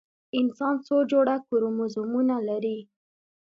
انسان څو جوړه کروموزومونه لري؟